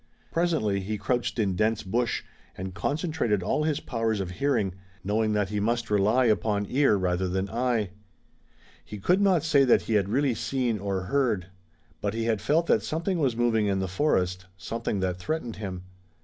Presently, he crouched in dense bush, and concentrated all his powers of hearing, knowing that he must rely upon ear rather than eye. He could not say that he had really seen or heard, but he had felt that something was moving in the forest, something that threatened him.